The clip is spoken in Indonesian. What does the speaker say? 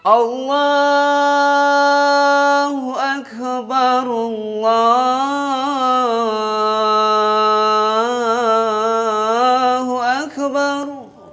allah akbar allah akbar